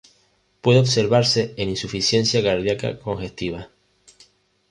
Puede observarse en insuficiencia cardiaca congestiva.